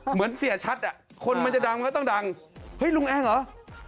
เหมือนเสียชัดอ่ะคนมันจะดังก็ต้องดังเฮ้ยลุงเองเหรอ